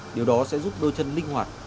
điều đó sẽ giúp đôi chân linh hoạt